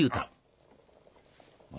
あ？